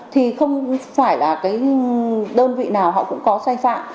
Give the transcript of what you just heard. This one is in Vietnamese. thì không phải là cái đơn vị nào họ cũng có sai phạm